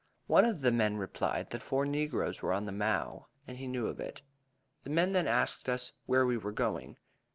One of the men replied that four negroes were on the mow, and he knew of it. The men then asked us where we were, going.